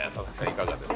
いかがですか？